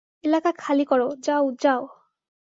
এলাকা খালি কর, যাও, যাও!